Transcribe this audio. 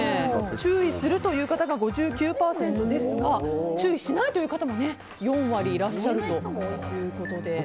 注意するという方が５９％ですが注意しない方も４割いらっしゃるということです。